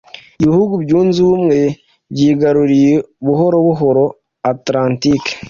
Ibihugu byunze ubumwe byigaruriye buhoro buhoro Atlantike.